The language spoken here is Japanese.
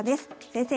先生